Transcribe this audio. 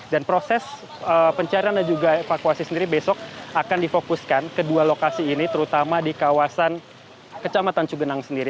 dan proses pencarian dan juga evakuasi sendiri besok akan difokuskan ke dua lokasi ini terutama di kawasan kecamatan cugenang sendiri